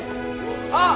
あっ！